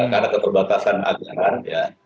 karena keterbatasan anggaran ya